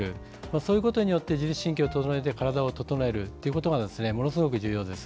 そのことによって自律神経を意識して体を整えるというのがものすごく重要です。